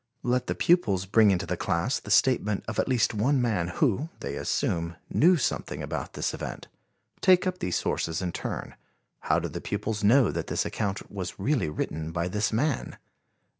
Let the pupils bring into the class the statement of at least one man who, they assume, knew something about this event. Take up these sources in turn. How do the pupils know that this account was really written by this man?